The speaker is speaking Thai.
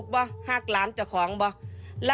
แม่จะมาเรียกร้องอะไร